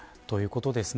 ということですね。